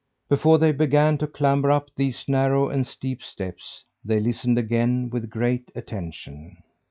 Before they began to clamber up these narrow and steep steps, they listened again with great attention.